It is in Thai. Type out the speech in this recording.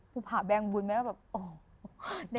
หูพ่าแบงบุญไหมแล้วแบบโอ้ย